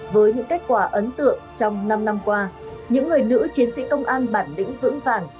với những kết quả ấn tượng trong năm năm qua những người nữ chiến sĩ công an bản lĩnh vững vàng